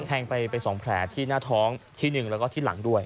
แทงไป๒แผลที่หน้าท้องที่หนึ่งแล้วก็ที่หลังด้วย